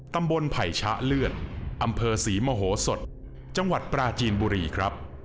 ไผ่ชะเลือดอำเภอศรีมโหสดจังหวัดปราจีนบุรีครับ